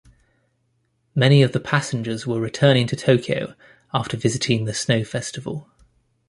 Many of the passengers were returning to Tokyo after visiting the snow festival.